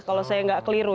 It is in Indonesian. kalau saya tidak keliru